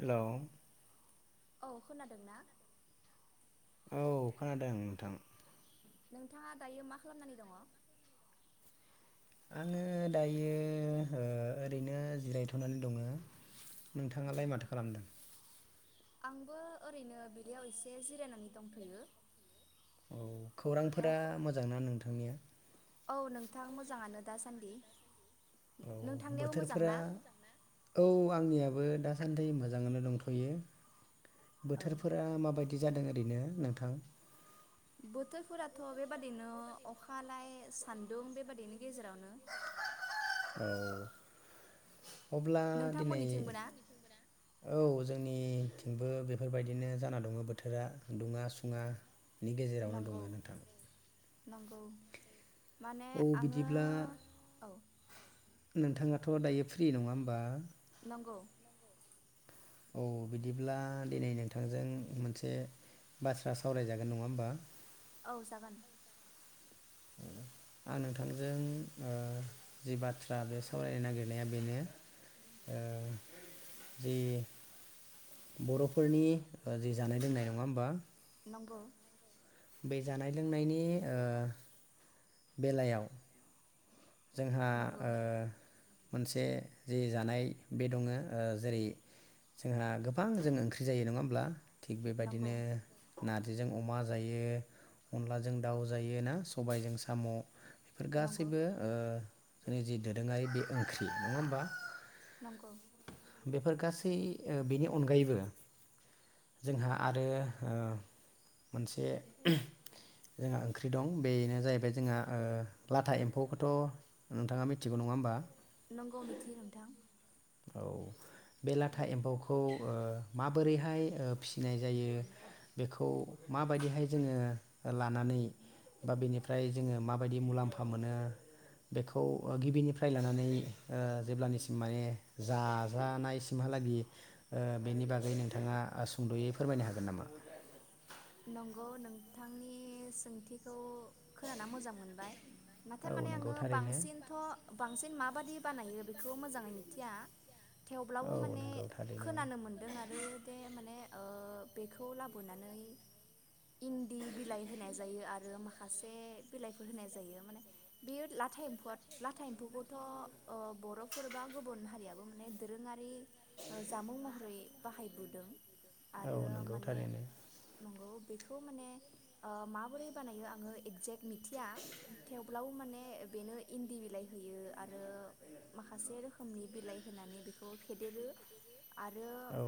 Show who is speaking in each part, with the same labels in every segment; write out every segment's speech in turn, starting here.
Speaker 1: Hello
Speaker 2: औ खोनादों ना?
Speaker 1: औ खोनादों नोंथां
Speaker 2: नोंथाङा दायो मा खालामनानै दङ?
Speaker 1: आङो दायो ओरैनो जिरायथ'नानै दङो। नोंथाङालाय
Speaker 2: नंगौ
Speaker 1: माथो खालामदों?
Speaker 2: आंबो ओरैनो बिलियाव एसे जिरायनानै दंथ'यो
Speaker 1: औ खौरांफोरा
Speaker 2: थ'
Speaker 1: मोजांना नों थां निया
Speaker 2: औ नोंथां मोजाङानो दासान्दि
Speaker 1: औ
Speaker 2: नोंथांनियाबो मोजां
Speaker 1: बोथोरफोरा
Speaker 2: ना?
Speaker 1: औ आंनियाबो बो दासान्दि मोजाङैनो दंथ'यो
Speaker 2: औ
Speaker 1: बोथोरफोरा माबायदि बिदि जादों ओरैनो नोंथां
Speaker 2: बोथोरफोराथ' बेबादिनो अखालाय सान्दुं बेबायदिनो
Speaker 1: औ अब्ला दिनै
Speaker 2: नोंथांमोननिथिंबो ना?
Speaker 1: औ जों निथिंबो बेफोरबायदिनो जाना दङ बोथोरा दुङा सुङा नि गेजेरावनो
Speaker 2: नंगौ
Speaker 1: दङ नोंथां
Speaker 2: नंगौ माने
Speaker 1: औ
Speaker 2: आङो
Speaker 1: बिदिब्ला
Speaker 2: औ
Speaker 1: नोंथाङाथ' दायो फ्रि नङा होमबा
Speaker 2: नंगौ
Speaker 1: औ बिदिब्ला दिनै नोंथांजों मोनसे बाथ्रा सावरायजागोन नङा होमबा
Speaker 2: औ जागोन
Speaker 1: आं नोंथांजों जि बाथ्रा बे सावरायनो नागिरनाया बेनो जि बर'फोरनि जि जानाय लोंनाय नङा होमबा
Speaker 2: नंगौ
Speaker 1: बे जानाय लोंनायनि बेलायाव जोंहा
Speaker 2: नंगौ
Speaker 1: मोनसे जि जानाय बे दङ जेरै जोंहा गोबां जों ओंख्रि जायो नङा होमब्ला थिग
Speaker 2: नंगौ
Speaker 1: बेबायदिनो नार्जि नारजिजों अमा जायो अनलाजों दाउ जायो ना सबायजों साम' बेफोर
Speaker 2: नंगौ
Speaker 1: गासैबो जोंनि जि दोरोङारि बे ओंख्रि नङा होमबा
Speaker 2: नंगौ
Speaker 1: बेफोर गासै बेनि अनगायैबो जोंहा आरो मोनसे जोंहा ओंख्रि दं बेनो जाहैबाय जोंहा लाथा एम्फौ थ' नोंथाङा मिथिगौ नङा होमबा
Speaker 2: नंगौ मिथियो नोंथां
Speaker 1: औ बे लाथा एम्फौखौ ओ माबोरैहाय फिसिनाय जायो बेखौ माबायदिहाय जोङो लानानै बा बेनिफ्राय जोङो माबायदि मुलाम्फा मोनो बेखौ गिबिनिफ्राय लानानै ओ जेब्लानिसिम माने जाजानायसिमहालागि ओ बेनि बागै नोंथाङा सुंद'यै फोरमायनो हागोन नामा?
Speaker 2: नंगौ नोंथांनि सोंथिखौ खोनाना मोजां मोनबाय नाथाय
Speaker 1: औ
Speaker 2: माने
Speaker 1: नंगौ
Speaker 2: आङो
Speaker 1: थारैनो
Speaker 2: बांसिनथ' बांसिन मा माबादि बानायो बेखौ मोजाङै मिथिया। थेवब्लाबो
Speaker 1: औ
Speaker 2: माने
Speaker 1: नंगौ थारैनो
Speaker 2: खोनानो मोनदों आरो दे माने ओ बेखौ लाबोनानै इन्दि बिलाइ होनाय जायो आरो माखासे बिलाइफोर होनाय जायो माने बेयो लाथा एम [unintelligible] लाथा एम्फौखौथ' बर' फोरबा गुबुन हारियाबो माने दोरोङारि जामुं महरै बाहायबोदों।
Speaker 1: औ नंगौ थारैनो।
Speaker 2: औ बेखौ माने ओ माबोरै बानायो आङो एगजेक्ट मिथिया। थेवब्लावो माने बेनो इन्दि बिलाइ होयो। आरो माखासे रोखोमनि बिलाइ होनानै बेखौ फेदेरो। आरो
Speaker 1: औ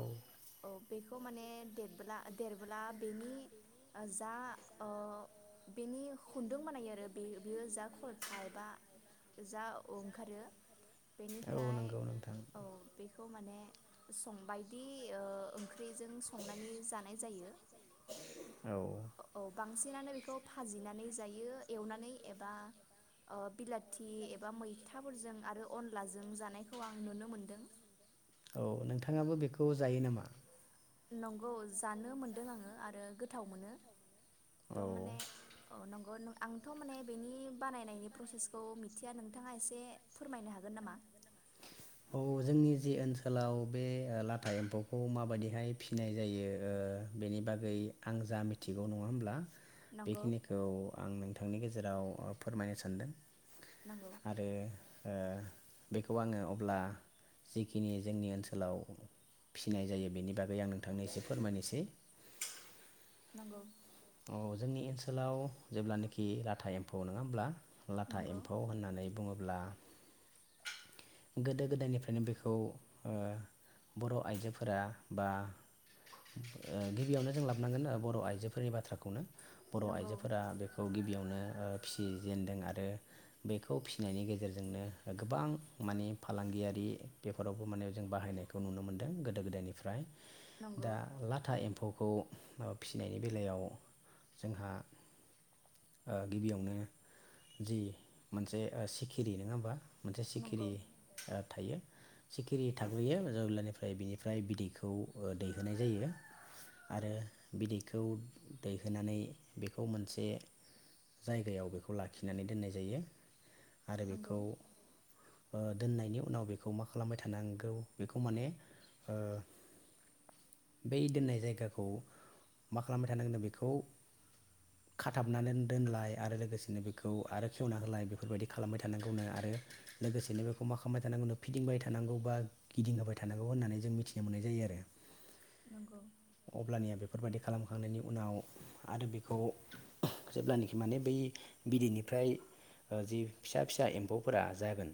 Speaker 2: औ बेखौ माने देबोला देरबोला बेनि ओ जा अ' बेनि खुन्दुं बानायो आरो बे बेयो जा खरथाय बा जा अंखारो।
Speaker 1: औ नंगौ नोंथां।
Speaker 2: खौ माने संबायदि ओ ओंख्रिजों संनानै जानाय जायो। औ
Speaker 1: औ
Speaker 2: बांसिनानो बेखौ भाजिनानै जायो एवनानै एबा ओ बिलाथ अनलाजों जानायखौ आं नुनो मोनदों
Speaker 1: औ नोंथ थाङाबो बेखौ जायो नामा?
Speaker 2: नंगौ जानो मोनदों आङो आरो गोथाव मोनो।
Speaker 1: औ
Speaker 2: थ' माने औ नंगौ नं आंथ' माने बेनि बानायनायनि प्रसेसखौ मिथिया नोंथाङा एसे फोरमायनो हागोन नामा?
Speaker 1: औ जोंनि जि ओनसोलाव बे लाथा एम्फौखौ माबायदिहाय फिनाय जायो। ओ बेनि बागै आं जा मिथिगौ नङा होमब्ला।
Speaker 2: नंगौ
Speaker 1: बेखिनिखौ आं नों थांनि गेजेराव ओ फोरमायनो सानदों।
Speaker 2: नंगौ
Speaker 1: आरो ओ बेखौ आङो अ ब्ला जिखिनि जोंनि ओनसोलाव फिनाय जायो बेनि बागै आं नोंथांनो एसे फोरमायनोसै।
Speaker 2: औ
Speaker 1: अ जोंनि ओनसोलाव जेब्लानिखि लाथा एम्फौ नङा होमब्ला? लाथा
Speaker 2: नंगौ
Speaker 1: एम्फौ होननानै बुङोब्ला गोदो गोदायनिफ्रायनो बेखौ ओ बर' आइजोफोरा बा ओ गिबियावनो जों लाबनांगोन बर' आइजोफोरनि बाथ्राखौनो। बर'
Speaker 2: नंगौ
Speaker 1: आइजोफोरा बेखौ गिबियावनो ओ फिसिजेनदों आरो बेखौ फिनायनि गेजेरजोंनो ओ गोबां माने फालांगियारि बेफोरावबो माने जों बाहायनायखौ नुनो मोनदों गोदो गोदायनिफ्राय।
Speaker 2: नंगौ
Speaker 1: दा लाथा एम्फौखौ ओ फिसिनायनि बेलायाव जोंहा ओ गिबियावनो जि मोनसे ओ सिखिरि नोङा होमबा। मोनसे
Speaker 2: नंगौ
Speaker 1: सिखिरि ओ थायो। सिखिरि थाग्रोयो जेब्लानिफ्राय बिनिफ्राय बिदैखौ ओ दैहोनाय जायो। आरो बिदैखौ दैहोनानै बेखौ मोनसे जायगायाव बेखौ लाखिनानै दोननाय जायो। आरो
Speaker 2: नंगौ
Speaker 1: बेखौ ओ दोननायनि उनाव बेखौ मा खालामबाय थानांगौ बेखौ माने ओ बै दोननाय जायगाखौ मा खालामबाय थानांगौनो बेखौ खाथाबनानै दोनलाय आरो लोगोसेनो बेखौ आरो खेवना होलाय बेफोरबायदि खालामबाय थानांगौनो आरो लोगोसेनो बेखौ मा खामबाय थानांगौनो फिदिंबाय थानांगौ बा गिदिंहोबाय थानांगौ होननानै जों मिथिनो मोननाय जायो आरो
Speaker 2: नंगौ
Speaker 1: अब्लानिया बे- फोरबायदि खालामखांनायनि उनाव आरो बेखौ जेब्लानिखि माने बै बिदैनिफ्राय ओ जि फिसा फिसा एम्फौ फोरा जागोन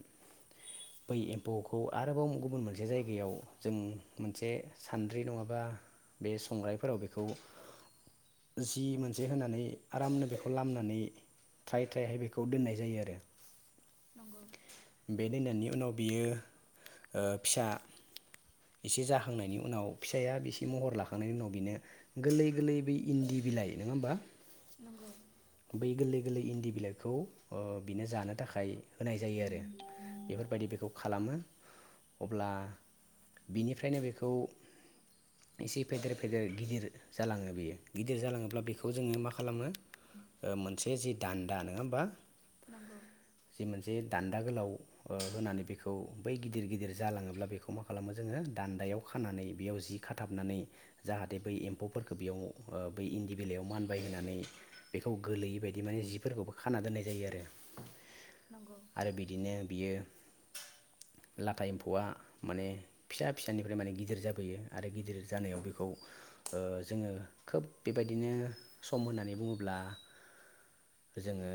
Speaker 1: बै एम्फौखौ आरोबाव गुबुन मोनसे जायगायाव जों मोनसे सान्द्रि नङाबा बे संग्रायफोराव बेखौ जि मोनसे होनानै आरामनो बेखौ लामनानै थ्राय थ्रायहाय बेखौ दोननाय जायो आरो
Speaker 2: नंगौ
Speaker 1: बे दोननायनि उनाव बियो ओ फिसा एसे जाहांनायनि उनाव फिसाया एसे महर लाखांनायनि उनाव बिनो गोरलै गोरलै बै इन्दि बिलाइ नङा होमबा
Speaker 2: नंगौ
Speaker 1: बै गोरलै गोरलै इन्दि बिलाइखौ ओ बिनो जानो थाखाय होनाय जायो आरो बेफोरबायदि बेखौ खालामो अब्ला बिनिफ्रायनो बेखौ एसे फेदेर फेदेर गिदिर जालाङो बेयो गिदिर जालाङोब्ला बेखौ जोङो मा खालामो मोनसे जि दान्दा नङा होमबा
Speaker 2: नंगौ
Speaker 1: जि मोनसे दान्दा गोलाव ओ होनानै बेखौ बै गिदिर गिदिर जालाङोब्ला बेखौ मा खालामो जोङो दान्दायाव खानानै बेयाव जि खाथाबनानै जाहाथे बै एम्फौफोरखौ बेयाव बै इन्दि बिलाइयाव मानबाय होनानै बेखौ गोलैयै बायदि माने जिफोरखौबो खाना दोननाय जायो आरो आरो बिदिनो बियो लाथा एम्फौआ माने फिसा फिसानिफ्राय माने गिदिर जाबोयो आरो गिदिर जानायाव बेखौ जोङो खोब बेबायदिनो सम होननानै बुङोब्ला जोङो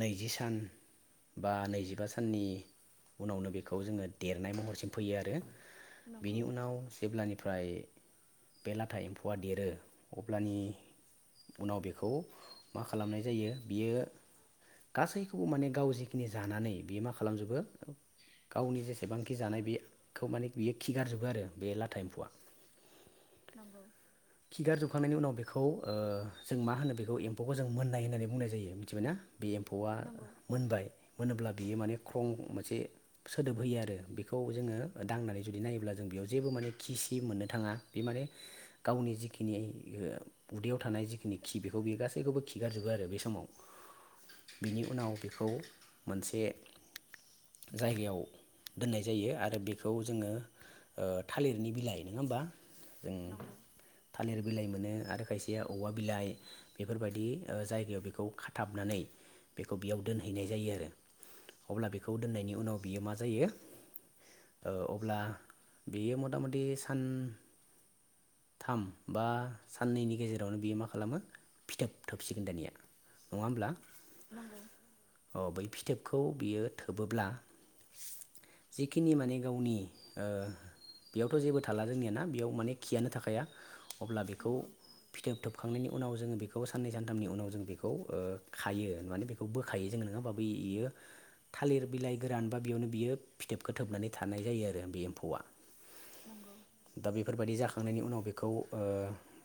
Speaker 1: नैजि सान बा नैजिबा साननि उनावनो बेखौ जोङो देरनाय महरसिम फैयो आरो
Speaker 2: नंगौ
Speaker 1: बिनि उनाव जेब्लानिफ्राय बे लाथा एम्फौआ देरो अब्लानि उनाव बेखौ मा खालामनाय जायो बियो गासै- खौ माने गाव जिखिनि जानानै बियो मा खालामजोबो गावनि जेसेबांखि जानाय बेखौ माने बियो खिगारजोबो आरो बे लाथा एम्फौआ
Speaker 2: नंगौ
Speaker 1: खिगार जोबखांनायनि उनाव बे बेखौ ओ जों मा होनो बेखौ एम्फौखौ जों मोननाय होननानै बुंनाय जायो मिथिबायना बे एम्फौ
Speaker 2: नंगौ
Speaker 1: मोनबाय मोनोब्ला बियो माने ख्रं मोनसे सोदोब होयो आरो बेखौ जोङो दांनानै जुदि नायोब्ला जों बेयाव जेबो माने खि सि मोननो थाङा बे माने गावनि जिखिनि उदैयाव थानाय जिखिनि खि बेखौ बेयो गासैखौबो खिगारजोबो आरो बे समाव बिनि उनाव बेखौ मोनसे जायगायाव दोननाय जायो आरो बेखौ जोङो ओ थालिरनि बिलाइ नङा होमबा जों
Speaker 2: नंगौ
Speaker 1: थालिर बिलाइ मोनो आरो खायसेया औवा बिलाइ बेफोरबायदि जायगायाव बेखौ खाथाबनानै बेखौ बेयाव दोनहैनाय जायो आरो अब्ला बेखौ दोननायनि उनाव बियो मा जायो अब्ला ओ बियो मता मति सानथाम बा साननैनि गेजेरावनो बियो मा खालामो फिथोब थोबसिगोन दानिया नङा होमब्ला
Speaker 2: नंगौ
Speaker 1: अ बै फिथोबखौ बियो थोबोब्ला जेखिनि माने गावनि बेयावथ' जेबो थाला जोंनियाना बेयाव माने खियानो थाखाया अब्ला बेखौ
Speaker 2: नंगौ
Speaker 1: फिथोब थोबखांनायनि उनाव जोङो बेखौ साननै -सानथामनि उनाव जों बेखौ खायो माने बेखौ बोखायो जोङो होमबा बै बियो थालिर बिलाइ गोरान बा बेयावनो बियो फिथोबखौ थोबनानै थानाय जायो आरो बे एम्फौआ।
Speaker 2: नंगौ
Speaker 1: दा बेफोरबायदि जाखां बोखांनायनि उनाव बेखौ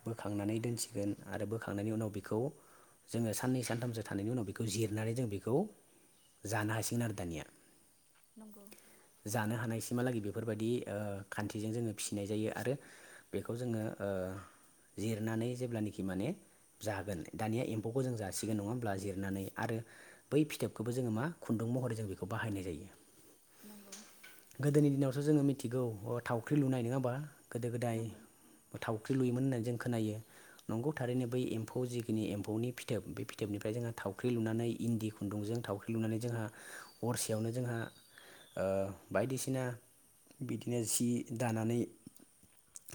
Speaker 1: बोखांनानै दोनसिगोन आरो बोखांनायनि उनाव बेखौ जोङो साननै -सानथामसो थानायनि उनाव बेखौ जिरनानै जों बेखौ जानो हासिगोन आरो दानिया।
Speaker 2: नंगौ
Speaker 1: जानो हानायसिमहालागै बे बेफोरबायदि खान्थिजों जोङो फिसिनाय जायो आरो बेखौ जोङो जिरनानै जेब्लानाखि माने जागोन दानिया एम्फौखौ जों जासिगोन नङा होमब्ला जिरनानै आरो बै फिथोबखौबो जोङो मा खुन्दुं महरै जों बेखौ बाहायनाय जायो।
Speaker 2: नंगौ
Speaker 1: गोदोनि दिनावसो जोङो मिथि मिथिगौ अ थावख्रि लुनाय नङा होमबा? गोदो- गोदाय
Speaker 2: नंगौ
Speaker 1: थावख्रि लुयोमोन होननानै जों खोनायो नंगौ थारैनो बै एम्फौ जिखिनि एम्फौनि फिथोब बे फिथोबनिफ्राय जोंहा थाव ख्रि लुनानै इन्दि खुन्दुंजों थावख्रि लुनानै जोंहा हरसेयावनो जोंहा ओ बायदिसिना बिदिनो सि दानानै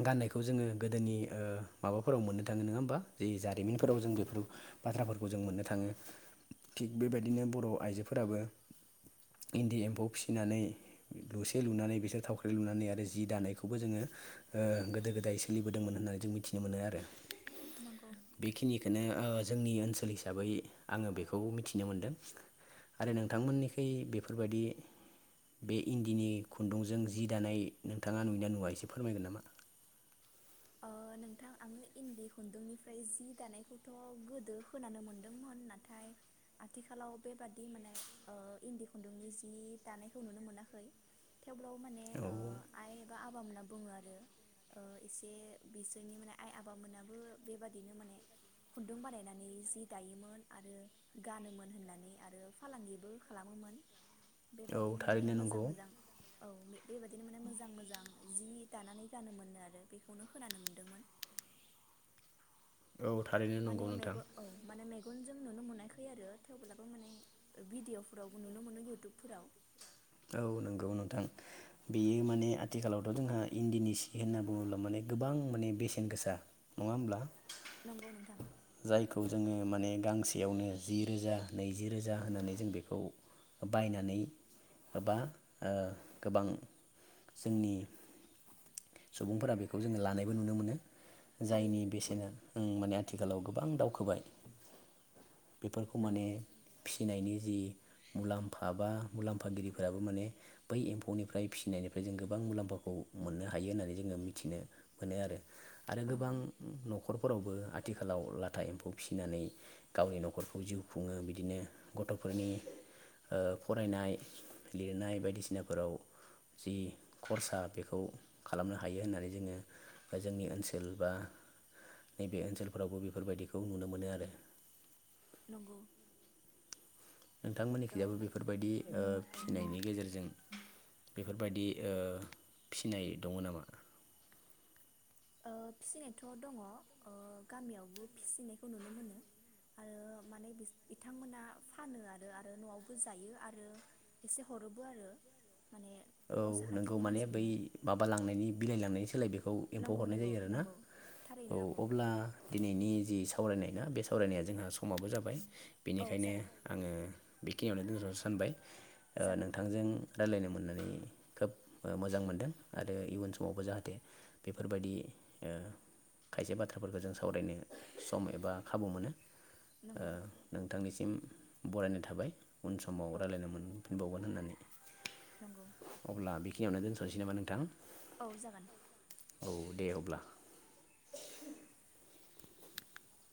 Speaker 1: गाननायखौ जोङो गोदोनि ओ माबाफोराव मोननो थाङो नङा होमबा जि जारिमिनफोराव जों बेफोर बाथ्राफोरखौ जों मोननो थाङो। थिग बेबायदिनो बर' आइजोफोराबो इन्दि एम्फौ फिसिनानै लुसे लुनानै बिसोर थावख्रि लुनानै आरो जि दानायखौबो जोङो ओ गोदो -गोदाय सोलिबोदोंमोन होननानै जों मिथिनो मोनो आरो।
Speaker 2: नंगौ
Speaker 1: बेखिनिखौनो ओ जोंनि ओनसोल हिसाबै आङो बेखौ मिथिनो मोनदों आरो नोंथांमोननिखै बेफोरबायदि बे इन्दिनि खुन्दुंजों जि दानाय नोंथाङा नुयोना नुवा एसे फोरमायगोन नामा?
Speaker 2: ओ नोंथां आङो इन्दि खुन्दुंनिफ्राय जि दानायखौथ' गोदो होनानो मोनदोंमोन नाथाय आथिखालाव बेबादि माने ओ इन्दि खुन्दुंनि जि दानायखौ नुनो मोनाखै। थेवब्लाबो माने
Speaker 1: औ
Speaker 2: ओ आइ एबा आ [unintelligible] बुङो आरो एसे बे जोंनि माने आइ आफबामोनाबो बेबादिनो माने खुन्दुं बानायनानै जि दायोमोन आरो गानोमोन होननानै आरो फालांगिबो खालामोमोन।
Speaker 1: औ
Speaker 2: बेबादिनो माने
Speaker 1: थारैनो
Speaker 2: मोजां
Speaker 1: नंगौ
Speaker 2: मोजां औ। बेबायदिनो माने मोजां मोजां जि दानानै गानोमोननो आरो। बेखौनो खोनानो मोनदोंमोन।
Speaker 1: औ थारैनो
Speaker 2: माने
Speaker 1: नंगौ नोंथां।
Speaker 2: मेगन औ माने मेगनजों नुनो मोनाखै आरो थेवब्लाबो माने भिडिअफोरावबो नुनो मोनो यउटुबफोराव।
Speaker 1: औ नंगौ नोंथां बेयो माने आथिखालावथ' जोंहा इन्दिनि सि होनना बुङोब्ला माने गोबां माने बेसेन गोसा नङा होमब्ला?
Speaker 2: नंगौ नोंथां
Speaker 1: जायखौ जोङो माने गांसे यावनो जि रोजा नैजि रोजा होनानै जों बेखौ बायनानै एबा ओ गोबां जोंनि सुबुंफोरा बेखौ जोङो लानायबो नुनो मोनो। जायनि
Speaker 2: थारैनो
Speaker 1: बेसेना उम माने आथिखालाव गोबां दावखोबाय। बेफोरखौ माने
Speaker 2: नंगौ
Speaker 1: फिनायनि जि मुलामफाबा मुलाम फागिरिफोराबो माने बै एम्फौनिफ्राय फिनायनिफ्राय जों गोबां मुलाम्फाखौ मोननो हायो होननानै जोङो मिथिनो मोनो आरो। आरो गोबां
Speaker 2: नंगौ
Speaker 1: न'खरफोरावबो आ थिखालाव लाथा एम्फौ फिसिनानै गावनि न'खरखौ जिउ खुङो बिदिनो गथ'फोरनि ओ फरायनाय लिरनाय बायदिसिनाफोराव जि खरसा बेखौ खालामनो हायो होननानै जोङो जोंनि ओनसोल बा नैबे ओनसोलफोरावबो बेफोरबायदिखौ नुनो मोनो आरो।
Speaker 2: नंगौ। थ'
Speaker 1: नोंथांमोननिखैजाबो
Speaker 2: माने
Speaker 1: बेफोरबायदि ओ
Speaker 2: औ
Speaker 1: फिनायनि गेजेरजों बेफोरबायदि ओ फिनाय दङ नामा?
Speaker 2: ओ फिसिनायथ' दङ ओ गामियावबो फिसिनायखौ नुनो मोनो आरो माने बिथांमोना फानो आरो आरो न'आवबो जायो आरो एसे हरोबो आरो। माने
Speaker 1: औ
Speaker 2: न'
Speaker 1: नोंगौ
Speaker 2: साखाथिनि
Speaker 1: माने बै
Speaker 2: मानसिफोरनो
Speaker 1: माबालांनायनि बिलाइ लांनायनि सोलाय बेखौ एम्फौ
Speaker 2: नंगौ
Speaker 1: हरनाय
Speaker 2: नंगौ
Speaker 1: जायो आरो ना
Speaker 2: नंगौ
Speaker 1: औ
Speaker 2: थारैनो नंगौ
Speaker 1: अब्ला दिनैनि जि सावरायनाय ना बे सावरायनाया जोंहा समाबो जाबाय।
Speaker 2: औ
Speaker 1: बेनिखायनो
Speaker 2: जागोन
Speaker 1: आङो बेखिनियावनो दोनथनो सानबाय। ओ
Speaker 2: जागोन
Speaker 1: नोंथांजों रायलायनो मोननानै खोब मोजां मोनदों आरो इयुन समावबो जाहाथे बेफोरबायदि ओ खायसे बाथ्राफोरखौ जों सावरायनो सम एबा खाबु मोनो। ओ
Speaker 2: नंगौ
Speaker 1: नोंथांनि सि सिम बरायनाय थाबाय। उन समाव
Speaker 2: औ
Speaker 1: रायलायनो मोनफिनबावगोन। होननानै
Speaker 2: नंगौ
Speaker 1: अब्ला बि खिनियावनो दोनथ'सै नामा नोंथां?
Speaker 2: औ जागोन।
Speaker 1: औ दे अब्ला।